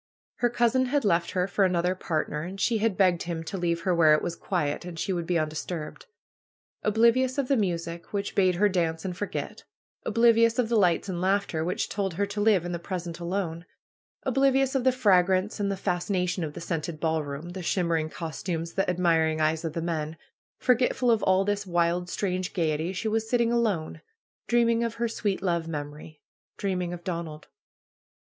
Her cousin had left her for another part ner and she had begged him to leave her where it was quiet and she would be undisturbed. Oblivious of the music, which bade her dance and forget; oblivious of the lights and laughter, which told her to live in the present alone; oblivious of the fragrance and the fas cination of the scented ballroom, the shimmering cos tumes, the admiring eyes of the men — forgetful of all this wild, strange gayety, she was sitting alone, dream ing of her sweet love memory, dreaming of Donald.